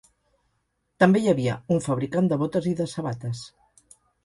També hi havia un fabricant de botes i de sabates.